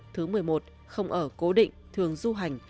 thứ mười một không ở cố định thường du hành